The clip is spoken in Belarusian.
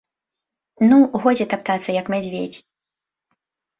Ну, годзе таптацца, як мядзведзь.